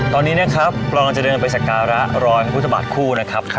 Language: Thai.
ตอนนี้ครับพวกเรากลับจะเดินไปสการร้อยพฤทธิบาทคู่นะครับ